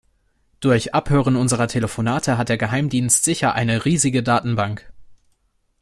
Durch Abhören unserer Telefonate hat der Geheimdienst sicher eine riesige Datenbank.